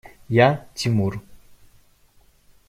Я – Тимур.